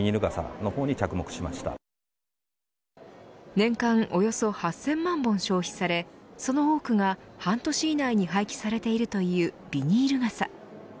年間およそ８０００万本消費されその多くが半年以内に廃棄されているというビニール傘。